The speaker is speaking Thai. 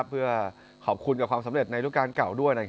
เพื่อขอบคุณกับความสำเร็จในรูปการณ์เก่าด้วย